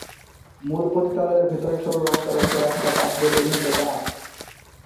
মূল পতিতালয়ের ভেতরে সরু রাস্তা রয়েছে, রাস্তার পাশ দিয়ে বিভিন্ন দোকান আছে।